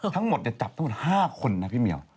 ทั้งหมดจับ๕คนนะพี่เหมียว